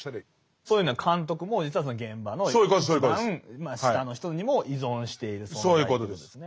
そういうのは監督も実はその現場の一番下の人にも依存している存在ということですね。